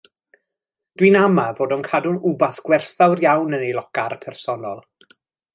Dwi'n ama fod o'n cadw wbath gwerthfawr iawn yn ei locar personol.